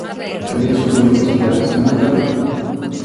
¿Cal é a súa política social, señor Cadrado?